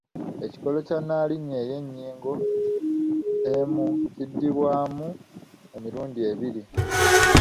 Ekikolo kya nnaalinnya ey’ennyingo emu kiddibwamu emirundi ebiri.